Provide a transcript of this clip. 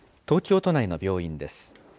東京都内の病院です。